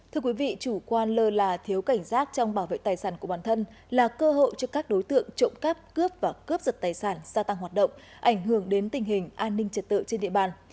thưa quý vị chủ quan lơ là thiếu cảnh giác trong bảo vệ tài sản của bản thân là cơ hội cho các đối tượng trộm cắp cướp và cướp giật tài sản gia tăng hoạt động ảnh hưởng đến tình hình an ninh trật tự trên địa bàn